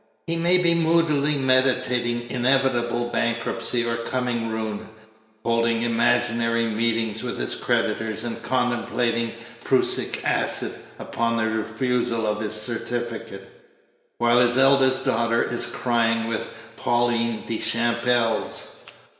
He may be moodily meditating inevitable bankruptcy or coming ruin, holding imaginary meetings with his creditors, and contemplating prussic acid upon the refusal of his certificate, while his eldest daughter is crying with Pauline Deschapelles.